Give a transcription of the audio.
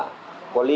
tidak bisa diperlukan